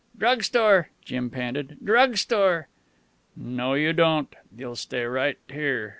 "Drug store," Jim panted. "Drug store." "No you don't. You'll stay right here.